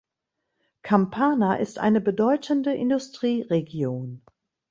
Campana ist eine bedeutende Industrieregion.